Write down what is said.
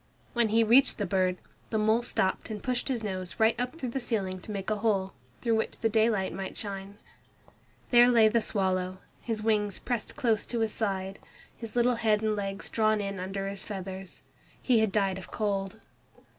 When he reached the bird, the mole stopped and pushed his nose right up through the ceiling to make a hole, through which the daylight might shine. There lay the swallow, his wings pressed close to his side His little head and legs drawn in under his feathers. He had died of cold.